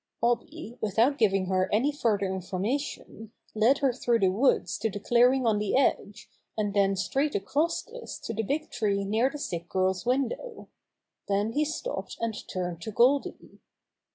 Bobby without giving her any further infor mation led her through the woods to the clear Groldy Decides to Build in the Tree 58 ing on the edge, and then straight across this to the big tree near the sick girfs window. Then he stopped and turned to Goldy.